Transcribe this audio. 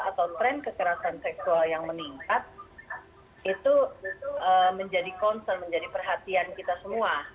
atau tren kekerasan seksual yang meningkat itu menjadi concern menjadi perhatian kita semua